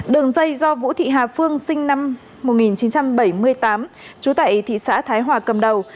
đường dây do vũ thị hà phương sinh năm một nghìn chín trăm bảy mươi tám trú tại thị xã thái hòa cầm đầu